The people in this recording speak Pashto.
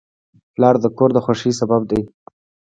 پلار د کور د خوښۍ سبب دی.